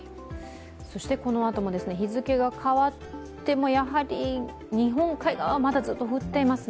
このあとも日付が変わっても、やはり日本海側は、まだずっと降っていますね。